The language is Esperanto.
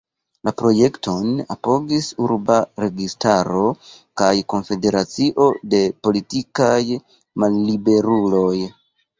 La projekton apogis urba registaro kaj konfederacio de politikaj malliberuloj.